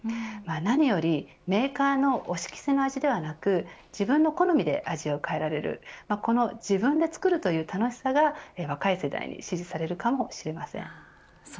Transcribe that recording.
何よりメーカーのお仕着せの味ではなく自分の好みで味を変えられるこの自分で作るという楽しさが若い世代に支持されるかもしれません。